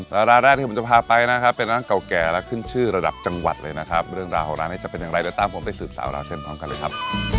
แล้วร้านแรกที่ผมจะพาไปนะครับเป็นร้านเก่าแก่และขึ้นชื่อระดับจังหวัดเลยนะครับเรื่องราวของร้านนี้จะเป็นอย่างไรเดี๋ยวตามผมไปสืบสาวราวเส้นพร้อมกันเลยครับ